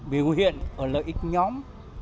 biểu hiện ở lợi ích nhóm